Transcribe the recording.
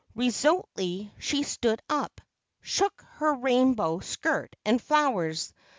Resolutely she stood up, shook her rainbow skirt and flowers.